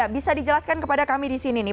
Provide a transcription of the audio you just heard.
bisa dijelaskan kepada kami di sini nih